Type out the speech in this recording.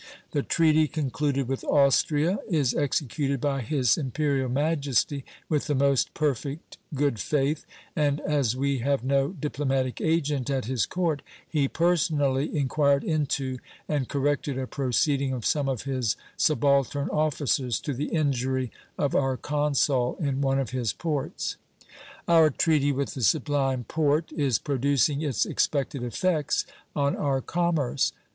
The treaty concluded with Austria is executed by His Imperial Majesty with the most perfect good faith, and as we have no diplomatic agent at his Court he personally inquired into and corrected a proceeding of some of his subaltern officers to the injury of our consul in one of his ports. Our treaty with the Sublime Porte is producing its expected effects on our commerce.